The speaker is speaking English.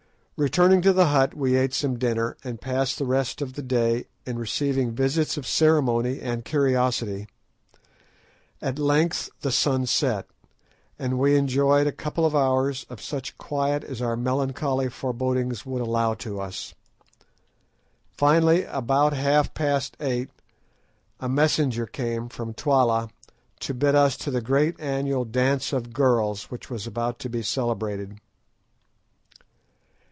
Returning to the hut we ate some dinner, and passed the rest of the day in receiving visits of ceremony and curiosity. At length the sun set, and we enjoyed a couple of hours of such quiet as our melancholy forebodings would allow to us. Finally, about half past eight, a messenger came from Twala to bid us to the great annual "dance of girls" which was about to be celebrated.